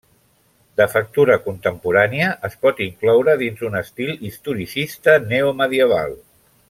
De factura contemporània, es pot incloure dins un estil historicista neomedieval.